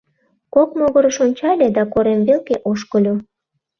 Кок могырыш ончале да корем велке ошкыльо.